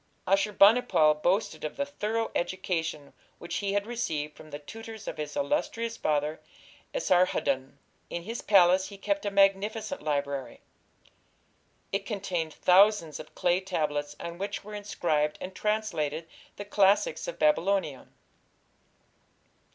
Ashur bani pal boasted of the thorough education which he had received from the tutors of his illustrious father, Esarhaddon. In his palace he kept a magnificent library. It contained thousands of clay tablets on which were inscribed and translated the classics of Babylonia.